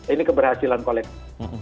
ini keberhasilan kolektif